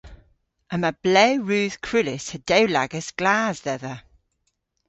Yma blew rudh krullys ha dewlagas glas dhedha.